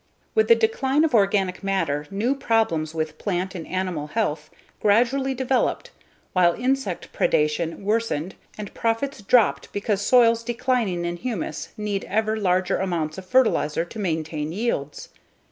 With the decline of organic matter, new problems with plant and animal health gradually developed while insect predation worsened and profits dropped because soils declining in humus need ever larger amounts of fertilizer to maintain yields.